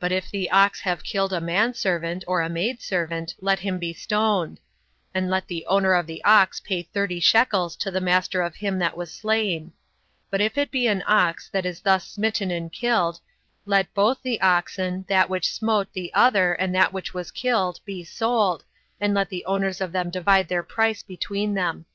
But if the ox have killed a man servant, or a maid servant, let him be stoned; and let the owner of the ox pay thirty shekels 31 to the master of him that was slain; but if it be an ox that is thus smitten and killed, let both the oxen, that which smote the other and that which was killed, be sold, and let the owners of them divide their price between them.